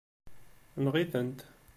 Neɣ-itent.